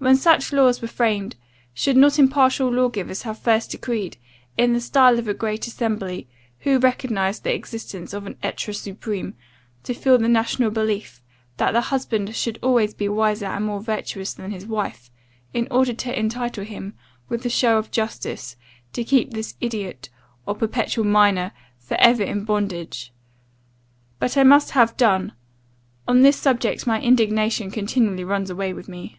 When such laws were framed, should not impartial lawgivers have first decreed, in the style of a great assembly, who recognized the existence of an etre supreme, to fix the national belief, that the husband should always be wiser and more virtuous than his wife, in order to entitle him, with a show of justice, to keep this idiot, or perpetual minor, for ever in bondage. But I must have done on this subject, my indignation continually runs away with me.